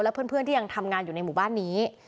เพื่อนที่ยังทำงานอยู่ในหมู่บ้านนี้